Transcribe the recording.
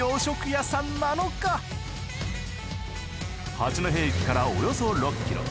八戸駅からおよそ６キロ。